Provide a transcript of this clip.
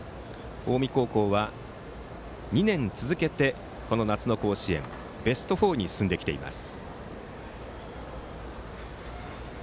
近江高校は２年続けて夏の甲子園ベスト４に進んできています。